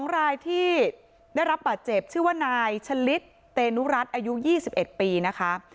๒รายที่ได้รับบาดเจ็บชื่อว่านายชะลิดเตนุรัติอายุ๒๑ปีนะคะ